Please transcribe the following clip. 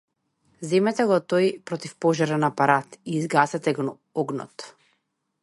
Земете го тој противпожарен апарат и изгаснете го огнот!